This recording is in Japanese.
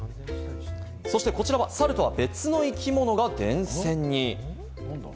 そして、こちらはサルとは別の生き物が電線に。